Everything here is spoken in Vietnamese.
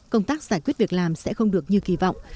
công tác giải quyết việc làm sẽ không được như kỳ vọng